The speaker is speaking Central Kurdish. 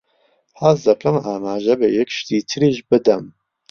حەز دەکەم ئاماژە بە یەک شتی تریش بدەم.